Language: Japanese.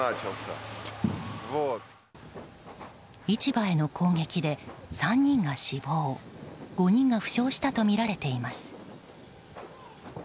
市場への攻撃で３人が死亡５人が負傷したとみられています。